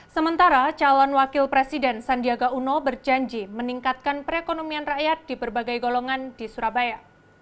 sementara calon wakil presiden sandiaga uno berjanji meningkatkan perekonomian rakyat di berbagai golongan di surabaya